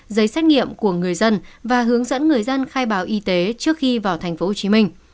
giấy xét nghiệm của người dân và hướng dẫn người dân khai báo y tế trước khi vào tp hcm